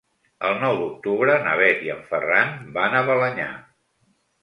El nou d'octubre na Bet i en Ferran van a Balenyà.